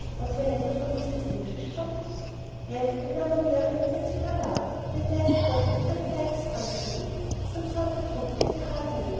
Was your letter from Miss Inches, John?" "Yes, and Mamma Marian sends you her love; and there's a present coming by express for you, some sort of a book with a hard name.